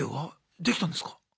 できたんですか？